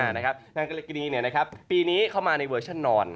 นางกรกินีปีนี้เข้ามาในเวอร์ชันนอน